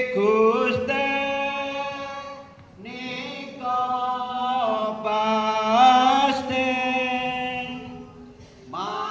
kalau di sumber pakem